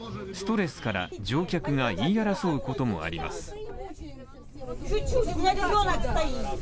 ストレスから乗客が言い争うこともあります。